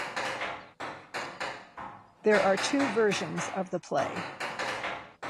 There are two versions of the play.